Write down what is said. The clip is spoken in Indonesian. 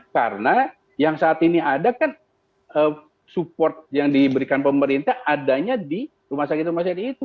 karena yang saat ini ada kan support yang diberikan pemerintah adanya di rumah sakit rumah sakit itu